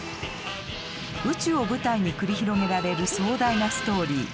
宇宙を舞台に繰り広げられる壮大なストーリー。